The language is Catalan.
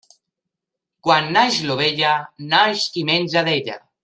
Quan neix l'ovella, neix qui menja d'ella.